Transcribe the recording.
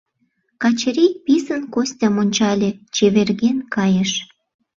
Качырий писын Костям ончале, чеверген кайыш.